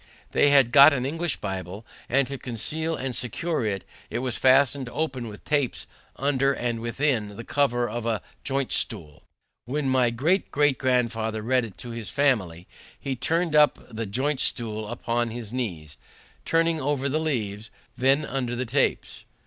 They had got an English Bible, and to conceal and secure it, it was fastened open with tapes under and within the cover of a joint stool. When my great great grandfather read it to his family, he turned up the joint stool upon his knees, turning over the leaves then under the tapes.